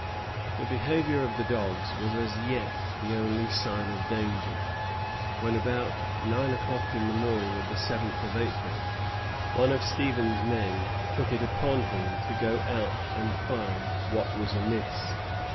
] The behavior of the dogs was as yet the only sign of danger, when, about nine o'clock on the morning of the 7th of April, one of Stevens's men took it upon him to go out and find what was amiss.